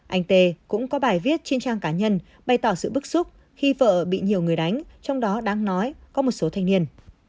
anh tê cũng có bài viết trên trang cá nhân bày tỏ sự bức xúc khi vợ bị nhiều người đánh trong đó đáng nói có một số thanh niên